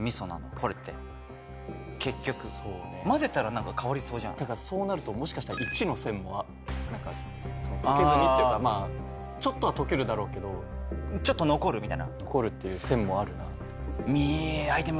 これって結局混ぜたら何か変わりそうじゃんだからそうなるともしかしたら１の線も何か溶けずにっていうかちょっとは溶けるだろうけどちょっと残るみたいな残るっていう線もあるなって見アイテム